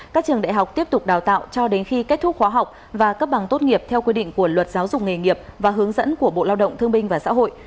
các trường đại học tiếp tục đào tạo cho đến khi kết thúc khóa học và cấp bằng tốt nghiệp theo quy định của luật giáo dục nghề nghiệp và hướng dẫn của bộ lao động thương binh và xã hội